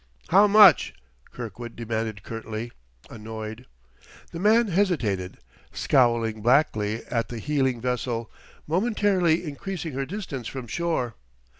"How much?" Kirkwood demanded curtly, annoyed. The man hesitated, scowling blackly at the heeling vessel, momentarily increasing her distance from shore.